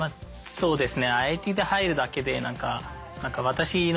そうです。